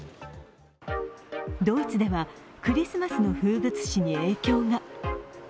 ドイツではクリスマスの風物詩に影響が。